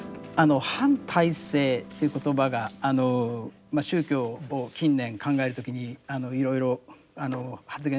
反体制という言葉があの宗教を近年考える時にいろいろ発言